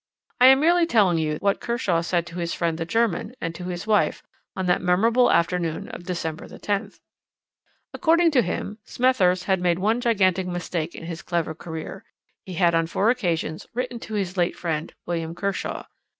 I am merely telling you what Kershaw said to his friend the German and to his wife on that memorable afternoon of December the 10th. "According to him Smethurst had made one gigantic mistake in his clever career he had on four occasions written to his late friend, William Kershaw.